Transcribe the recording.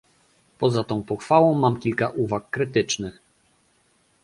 Poza tą pochwałą mam kilka uwag krytycznych